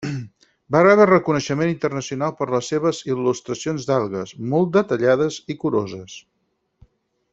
Va rebre reconeixement internacional per les seves il·lustracions d'algues, molt detallades i curoses.